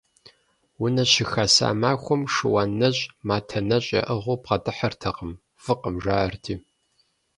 Унэ щыхаса махуэм шыуан нэщӀ, матэ нэщӀ яӀыгъыу бгъэдыхьэртэкъым, фӀыкъым, жаӀэрти.